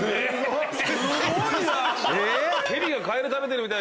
すごいな！